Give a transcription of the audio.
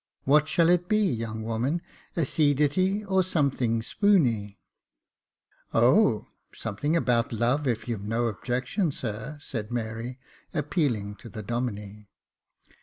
What shall it be, young woman, a sea ditty, or something spooney ?"" O ! something about love, if you've no objection, sir," said Mary, appealing to the Domine.